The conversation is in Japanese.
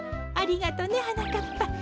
ありがとねはなかっぱ。